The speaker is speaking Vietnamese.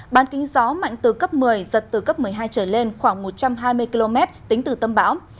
bán kính gió mạnh từ cấp một mươi giật từ cấp một mươi hai trở lên khoảng một trăm hai mươi km tính từ tâm bão